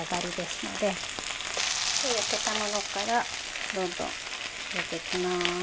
じゃあ焼けたものからどんどん入れていきます。